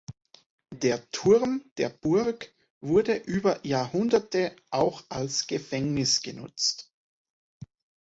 Der Turm der Burg wurde über Jahrhunderte auch als Gefängnis genutzt.